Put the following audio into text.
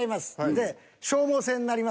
で消耗戦になります。